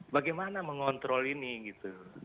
bagaimana mengontrol ini gitu